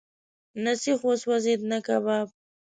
نه سیخ وسوځېد، نه کباب.